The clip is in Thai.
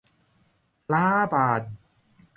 ร้าบาน